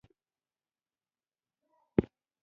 دوی له خلکو څخه معنوي تعالي فرصت اخیستی دی.